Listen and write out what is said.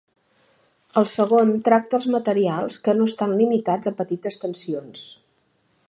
El segon tracta els materials que no estan limitats a petites tensions.